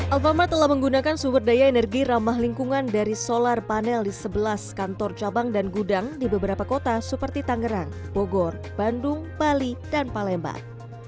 alphamar telah menggunakan sumber daya energi ramah lingkungan dari solar panel di sebelas kantor cabang dan gudang di beberapa kota seperti tangerang bogor bandung bali dan palembang